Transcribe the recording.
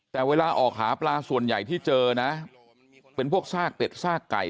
แต่เวลาออกหาปลาส่วนใหญ่ที่เจอนะเป็นพวกซากเป็ดซากไก่